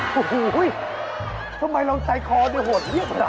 ทำไมเราใจคอดีโหดเยี่ยมกัน